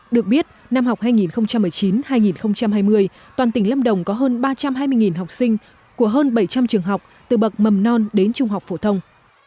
được biết năm học hai nghìn một mươi chín hai nghìn hai mươi toàn tỉnh lâm đồng có hơn ba trăm hai mươi học sinh của hơn bảy trăm linh trường học từ bậc mầm non đến trung học phổ thông